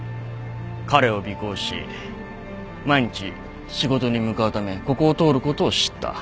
彼を尾行し毎日仕事に向かうためここを通ることを知った。